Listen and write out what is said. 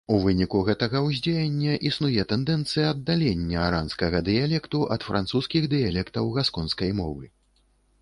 У выніку гэтага ўздзеяння існуе тэндэнцыя аддалення аранскага дыялекту ад французскіх дыялектаў гасконскай мовы.